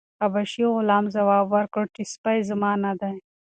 حبشي غلام ځواب ورکړ چې سپی زما نه دی.